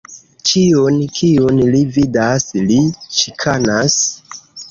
Ĉiun, kiun li vidas, li ĉikanas.